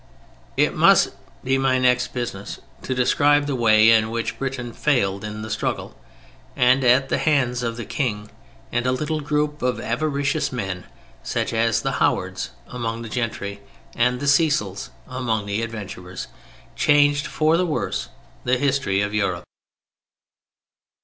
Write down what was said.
It must be my next business to describe the way in which Britain failed in the struggle, and, at the hands of the King, and of a little group of avaricious men (such as the Howards among the gentry, and the Cecils among the adventurers) changed for the worse the history of Europe.